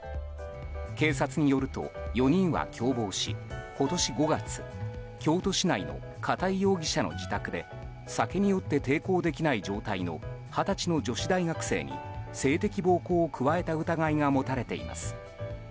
警察によると、４人は共謀し今年５月、京都市内の片井容疑者の自宅で酒に酔って抵抗できない状態の二十歳の女子大学生に性的暴行を加えた疑いが持たれています。